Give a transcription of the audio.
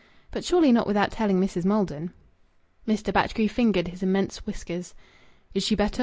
"But surely not without telling Mrs. Maldon?" Mr. Batchgrew fingered his immense whiskers. "Is she better?"